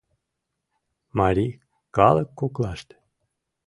Марий калык коклаште.